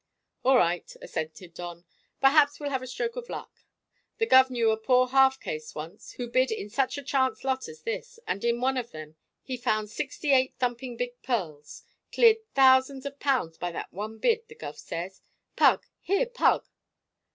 "All right," assented Don; "perhaps we'll have a stroke of luck. The guv knew a poor half caste once who bid in just such a chance lot as this, and in one of them he found sixty eight thumping big pearls. Cleared thousands of pounds by that one bid, the guv says. Pug! here, Pug!"